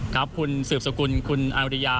คุณสืบสกุลคุณอนุริยา